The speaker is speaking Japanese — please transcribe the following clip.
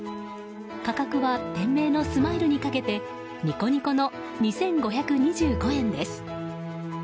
価格は店名のスマイルにかけてニコニコの２５２５円です。